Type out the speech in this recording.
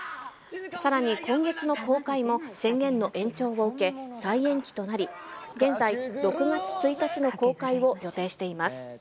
さらに今月の公開も、宣言の延長を受け、再延期となり、現在、６月１日の公開を予定しています。